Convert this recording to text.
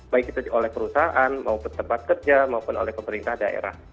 baik itu oleh perusahaan maupun tempat kerja maupun oleh pemerintah daerah